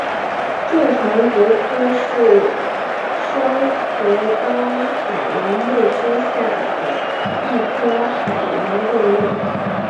蛀船蛤科是双壳纲海螂目之下的一科海洋动物。